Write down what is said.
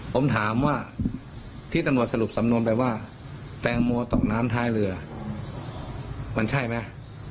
ผมถามว่าที่ตำรวจสรุปสำนวนไปว่าแตงโมตกน้ำท้ายเรือมันใช่ไหม